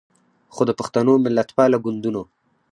خو د پښتنو ملتپاله ګوندونو